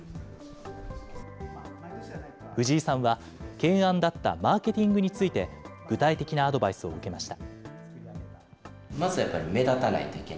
藤井さんは懸案だったマーケティングについて、具体的なアドバイスを受けました。